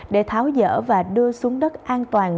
để tháo dở và đưa xuống đất an toàn